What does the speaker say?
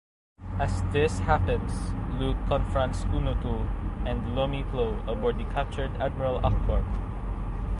As this happens, Luke confronts UnuThul and Lomi Plo aboard the captured "Admiral Ackbar".